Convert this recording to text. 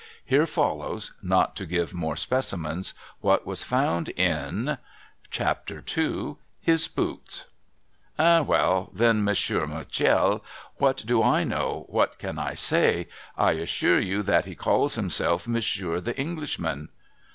Here follows (not to give more specimens) what was found in — CHAPTER II HIS BOOTS ' En ! well then. Monsieur Mutuel ! What do I know, what can I say ? I assure you that he calls himself Monsieur The Englishman.'